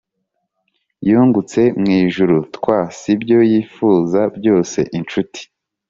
yungutse mwijuru ('twas ibyo yifuza byose) inshuti.